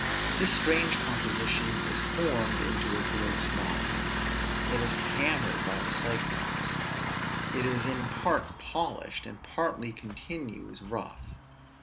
_" This strange composition is formed into a gross body; it is hammered by the Cyclops, it is in part polished, and partly continues rough.